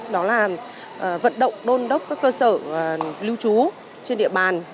đó là vận động đôn đốc các cơ sở lưu trú trên địa bàn